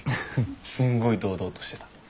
すんごい堂々としてた。